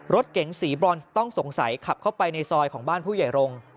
รถเก๋งสีบรอนต้องสงสัยขับเข้าไปในซอยของบ้านผู้ใหญ่รงค์